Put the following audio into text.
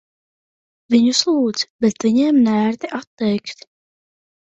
Viņus lūdz, bet viņiem neērti atteikt.